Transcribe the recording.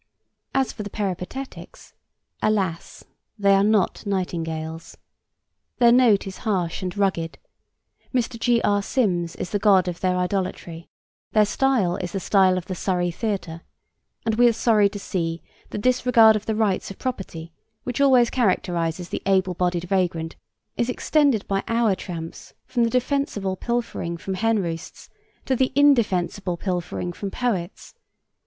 As for the peripatetics alas! they are not nightingales. Their note is harsh and rugged, Mr. G. R. Sims is the god of their idolatry, their style is the style of the Surrey Theatre, and we are sorry to see that that disregard of the rights of property which always characterises the able bodied vagrant is extended by our tramps from the defensible pilfering from hen roosts to the indefensible pilfering from poets.